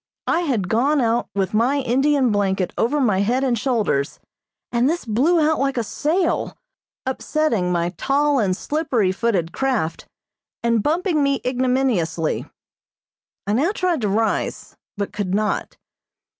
I had gone out with my Indian blanket over my head and shoulders, and this blew out like a sail, upsetting my tall and slippery footed craft, and bumping me ignominiously. I now tried to rise, but could not.